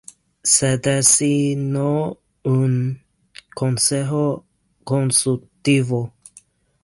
Se designó un Consejo Consultivo.